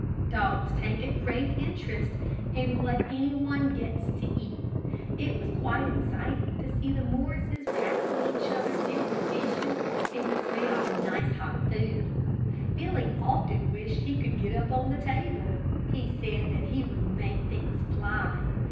Dogs take a great interest in what any one gets to eat. It was quite exciting to see the Morrises passing each other different dishes, and to smell the nice, hot food. Billy often wished that he could get up on the table. He said that he would make things fly.